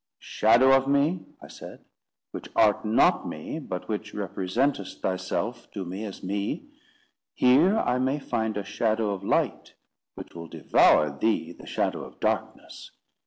"Shadow of me!" I said; "which art not me, but which representest thyself to me as me; here I may find a shadow of light which will devour thee, the shadow of darkness!